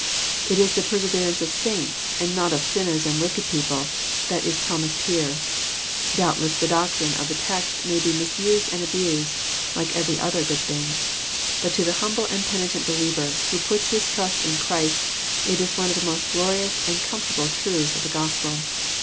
It is the perseverance of saints, and not of sinners and wicked people, that is promised here. DoubUess the doctrine of the text may be misused and abased, like every other good thing. But to the hnmble peaitent believer, who pats his trast in Christ, it is one of the most glorious and comfortable trnths of the Gospel.